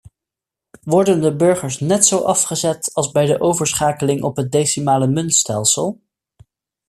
Worden de burgers net zo afgezet als bij de overschakeling op het decimale muntstelsel?